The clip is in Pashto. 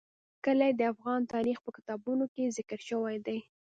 کلي د افغان تاریخ په کتابونو کې ذکر شوی دي.